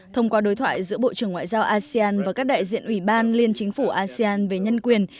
thông qua đối thoại giữa bộ trưởng ngoại giao asean và các đại diện ủy ban liên chính phủ asean về nhân quyền